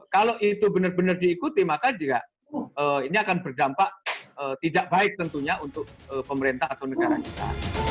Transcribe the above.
kalau itu benar benar diikuti maka ini akan berdampak tidak baik tentunya untuk pemerintah atau negara kita